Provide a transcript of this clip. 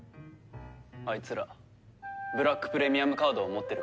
あいつらブラックプレミアムカードを持ってるからね。